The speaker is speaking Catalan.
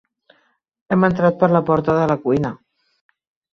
Hem entrat per la porta de la cuina.